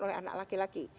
oleh anak laki laki